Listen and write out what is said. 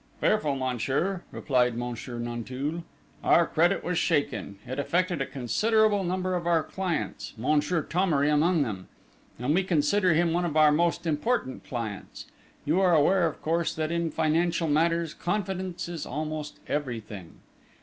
"Fearful, monsieur," replied Monsieur Nanteuil. "Our credit was shaken: it affected a considerable number of our clients, Monsieur Thomery among them, and we consider him one of our most important clients. You are aware, of course, that in financial matters confidence is almost everything!...